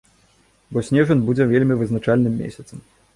Бо снежань будзе вельмі вызначальным месяцам.